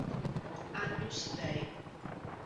Agnus Dei